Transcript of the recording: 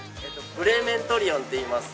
ブレーメントリオンっていいます。